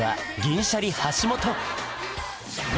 銀シャリ橋本！